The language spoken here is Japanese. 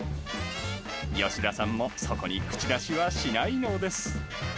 吉田さんも、そこに口出しはしないのです。